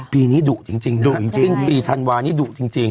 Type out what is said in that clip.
ปีพรรณวานี้ดูดุจริง